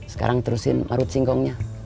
sekarang terusin marut singkongnya